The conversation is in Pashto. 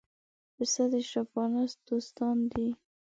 پسه د شپانه دوستان دي.